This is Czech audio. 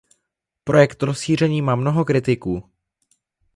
Projekt rozšíření má mnoho kritiků.